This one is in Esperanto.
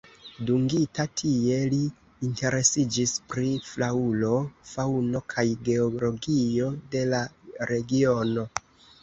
Dungita tie, li interesiĝis pri flaŭro, faŭno kaj geologio de la regiono.